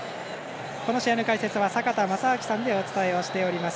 この試合の解説は坂田正彰さんでお伝えしています。